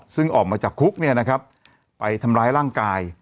ซึ่งออกมาจากคุกเนี่ยนะครับไปทำร้ายร่างกาย